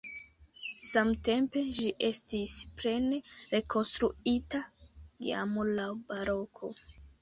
Samtempe ĝi estis plene rekonstruita jam laŭ baroko.